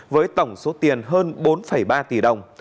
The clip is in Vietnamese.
với tổng số tiền hơn bốn ba tỷ đồng